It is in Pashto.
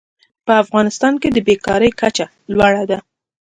په افغانستان کې د بېکارۍ کچه لوړه ده.